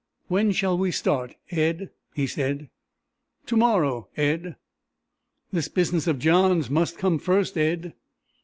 "When shall we start, Ed?" he said. "To morrow, Ed." "This business of John's must come first, Ed!"